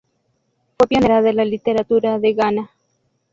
Fue pionera de la literatura de Ghana.